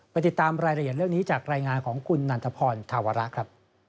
ติดตามรายละเอียดเรื่องนี้จากรายงานของคุณนันทพรธาวระครับ